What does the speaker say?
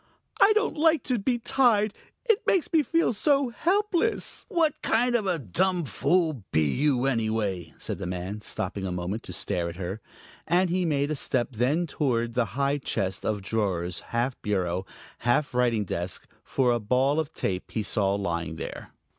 I don't like to be tied; it makes me feel so helpless." "What kind of a dumb fool be you, anyway?" said the man, stopping a moment to stare at her. And he made a step then toward the high chest of drawers, half bureau, half writing desk, for a ball of tape he saw lying there.